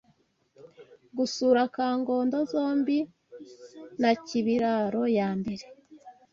gusura Kangondo zombi na Kibiraro ya mbere